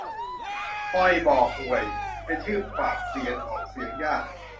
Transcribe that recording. ฮวยบ่อข่วย เป็นชื่อปราบเซียน ออกเสียงยาก